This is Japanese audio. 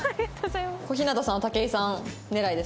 小日向さんは武井さん狙いですからね。